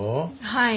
はい。